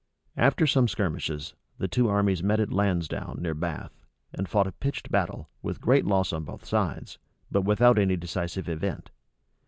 After some skirmishes, the two armies met at Lansdown, near Bath, and fought a pitched battle, with great loss on both sides, but without any decisive event.